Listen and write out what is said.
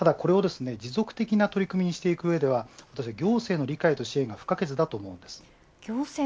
これを持続的な取り組みにしていく上では行政の理解と支援が不可欠です。